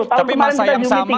tahun kemarin kita zoom meeting